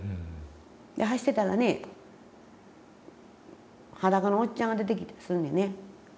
で走ってたらね裸のおっちゃんが出てきたりすんねんね。